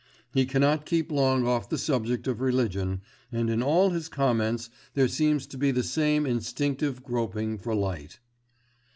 He cannot keep long off the subject of religion, and in all his comments there seems to be the same instinctive groping for light.